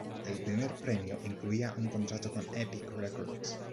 El primer premio incluía un contrato con Epic Records.